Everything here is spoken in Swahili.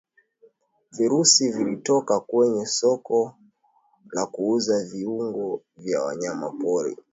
Virusi vilitoka kwenye soko la kuuza viungo vya wanyama pori